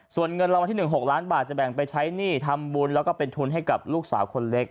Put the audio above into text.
ส่วนเงินรางวัลที่๑๖ล้านบาทจะแบ่งไปใช้หนี้ทำบุญแล้วก็เป็นทุนให้กับลูกสาวคนเล็ก